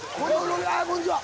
こんにちは。